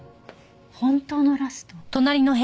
本当のラスト。